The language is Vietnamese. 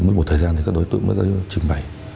mất một thời gian thì các đối tượng mới trình bày